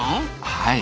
はい。